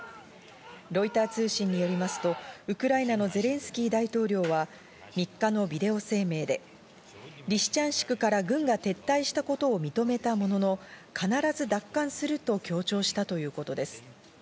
ロイター通信によりますと、ウクライナのゼレンスキー大統領は３日のビデオ声明で、リシチャンシクから軍が撤退したことを認めたものの、必ず奪還すると強調したということです。